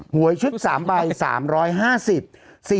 วยชุด๓ใบ๓๕๐บาท